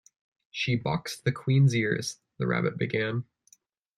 ‘She boxed the Queen’s ears—’ the Rabbit began.